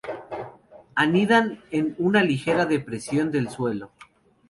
Anidan en una ligera depresión del suelo.